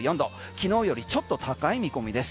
昨日よりちょっと高い見込みです。